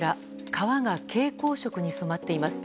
川が蛍光色に染まっています。